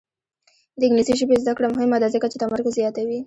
د انګلیسي ژبې زده کړه مهمه ده ځکه چې تمرکز زیاتوي.